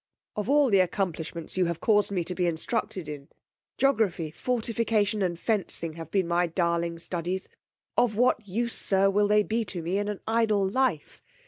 Of all the accomplishments you have caused me to be instructed in, geography, fortification, and fencing, have been my darling studies. Of what use, sir, will they be to me in an idle life?